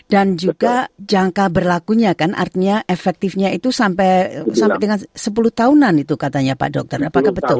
dan juga jangka berlakunya kan artinya efektifnya itu sampai dengan sepuluh tahunan itu katanya pak dokter apakah betul